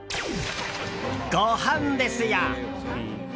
ごはんですよ！